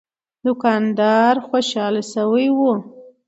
دوکاندار خوشاله شوی و.